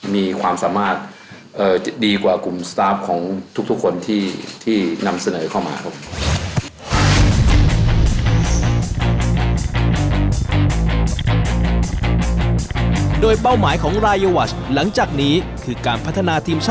มีความสามารถดีกว่ากลุ่ม